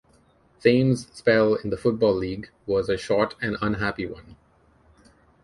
Thames' spell in the Football League was a short and unhappy one.